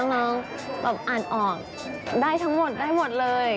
น้องแบบอ่านออกได้ทั้งหมดได้หมดเลย